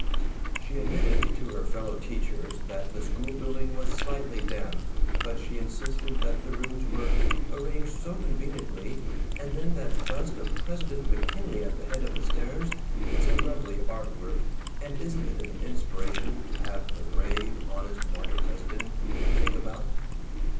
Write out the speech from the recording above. She admitted to her fellow teachers that the schoolbuilding was slightly damp, but she insisted that the rooms were "arranged so conveniently and then that bust of President McKinley at the head of the stairs, it's a lovely art work, and isn't it an inspiration to have the brave, honest, martyr president to think about!"